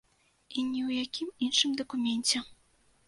І ні ў якім іншым дакуменце.